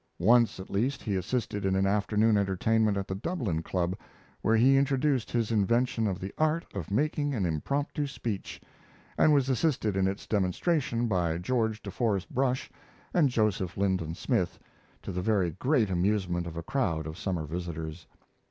Once, at least, he assisted in an afternoon entertainment at the Dublin Club, where he introduced his invention of the art of making an impromptu speech, and was assisted in its demonstration by George de Forest Brush and Joseph Lindon Smith, to the very great amusement of a crowd of summer visitors.